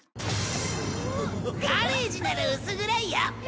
ガレージなら薄暗いよ。